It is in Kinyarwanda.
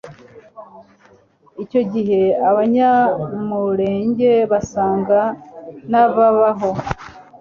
Icyo gihe Abanyamulenge basaga n'ababaho